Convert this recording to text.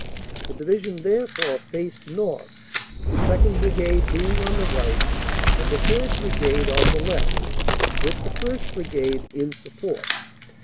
The Division therefore faced north, the 2nd. Brigade being on the right and the 3rd. Brigade on the left, with the 1st. Brigade in support.